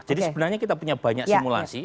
sebenarnya kita punya banyak simulasi